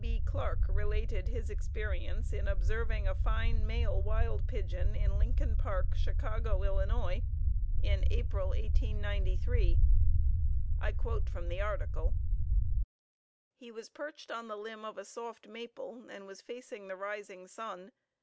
B. Clark related his experience in observing a fine male wild pigeon in Lincoln Park, Chicago, Ill., in April, 1893. I quote from the article: "He was perched on the limb of a soft maple and was facing the rising sun.